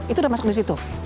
itu udah masuk di situ